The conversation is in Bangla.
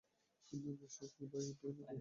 ভিনদেশে কি বয় বিয়া বরিশাইল্লা মাইয়ায়?